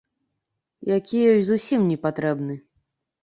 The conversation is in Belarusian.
Які ёй зусім не патрэбны.